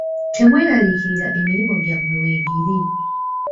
Temweraliikirira emirimu gyammwe weegiri.